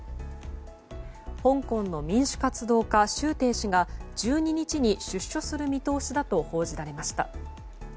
香港の民主活動家シュウ・テイ氏が１２日に出所する見通しだと報じられました。